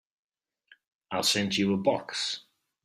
I'll send you a box.